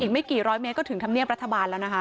ไม่กี่ร้อยเมตรก็ถึงธรรมเนียบรัฐบาลแล้วนะคะ